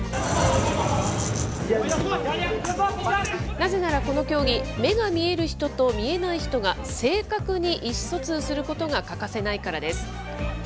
なぜならこの競技、目が見える人と見えない人が、正確に意思疎通することが欠かせないからです。